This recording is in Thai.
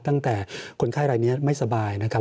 ตั้งแต่คนไข้รายนี้ไม่สบายนะครับ